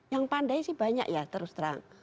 yang pandai sih banyak ya terus terang